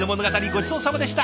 ごちそうさまでした。